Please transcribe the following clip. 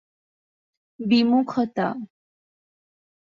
কিন্তু বিবাহের প্রতি বিমুখতা তার সংস্কারগত।